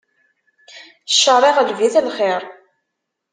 Cceṛ, iɣleb-it lxiṛ.